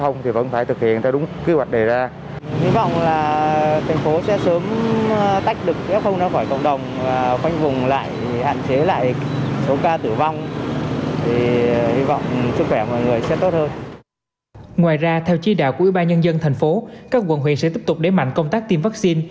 ngoài ra theo chỉ đạo của ủy ban nhân dân thành phố các quận huyện sẽ tiếp tục để mạnh công tác tiêm vaccine